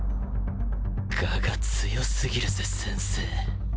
我が強すぎるぜ先生